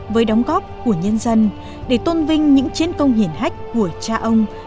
với đóng góp của nhân dân để tôn vinh những chiến công hiển hách của cha ông tại địa danh lịch sử này